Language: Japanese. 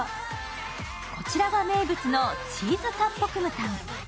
こちらが名物のチーズ・タッポクムタン。